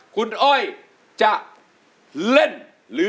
สวัสดีครับ